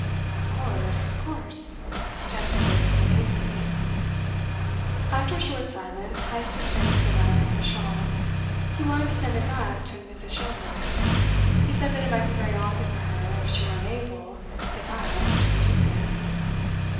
"Of course, of course," protested Davidson hastily. After a short silence Heyst returned to the matter of the shawl. He wanted to send it back to Mrs. Schomberg. He said that it might be very awkward for her if she were unable, if asked, to produce it.